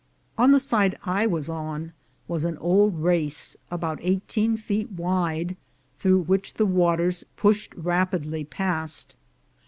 On the side I was on was an old race about eighteen feet wide, through which the waters rushed rapidly past.